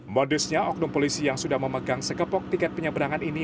modusnya oknum polisi yang sudah memegang sekepok tiket penyeberangan ini